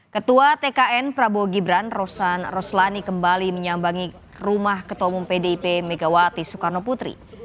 ketua tkn prabowo gibran rosan roslani kembali menyambangi rumah ketua umum pdip megawati soekarno putri